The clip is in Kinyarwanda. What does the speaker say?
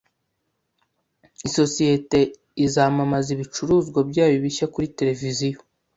Isosiyete izamamaza ibicuruzwa byayo bishya kuri tereviziyo